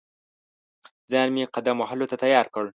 ځان مې قدم وهلو ته تیار کړ.